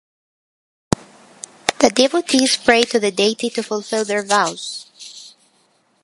The devotees pray to the deity to fulfil their vows.